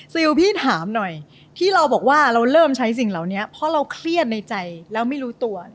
พี่ถามหน่อยที่เราบอกว่าเราเริ่มใช้สิ่งเหล่านี้เพราะเราเครียดในใจแล้วไม่รู้ตัว